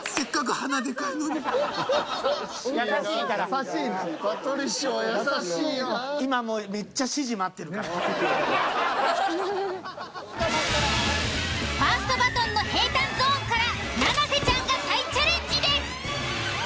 ［ファーストバトンの平坦ゾーンから七瀬ちゃんが再チャレンジです］